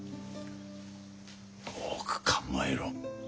よく考えろ。